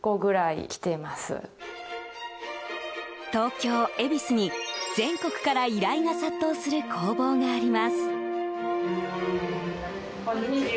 東京・恵比寿に全国から依頼が殺到する工房があります。